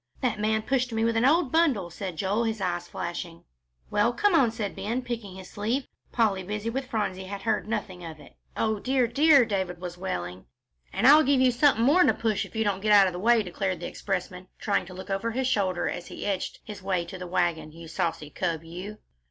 "That man pushed me with an old bundle," said Joel, his eyes flashing. "Well, come on," said Ben, picking his sleeve. Polly, busy with Phronsie, had heard nothing of it. "O dear, dear!" David was wailing. "And I'll give you something more'n a push if you don't get out of the way," declared the expressman, trying to look over his shoulder as he edged his way to the wagon, "you saucy cub, you!"